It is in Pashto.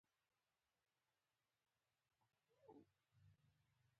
دولتي ورځپاڼې معلومات خپروي